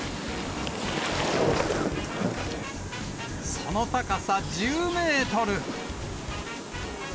その高さ１０メートル。